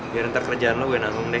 biar ntar kerjaan lo gue nanggung deh